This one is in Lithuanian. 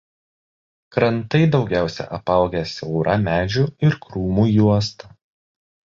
Krantai daugiausia apaugę siaura medžių ir krūmų juosta.